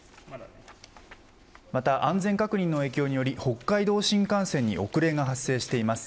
また、安全確認の影響により北海道新幹線に遅れが発生しています。